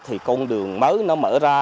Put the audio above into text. thì con đường mới nó mở ra